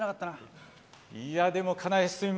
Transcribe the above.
いやでもかなり進みました。